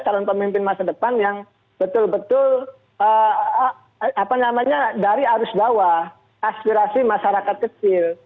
calon pemimpin masa depan yang betul betul apa namanya dari arus bawah aspirasi masyarakat kecil